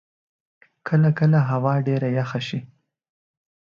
کله کله هوا ډېره یخه شی.